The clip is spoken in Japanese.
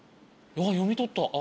あっ読み取った。